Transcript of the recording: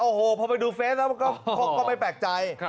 โอ้โหพอไปดูเฟสแล้วก็ไม่แปลกใจ